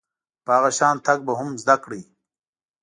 په هغه شان تګ به هم زده کړئ .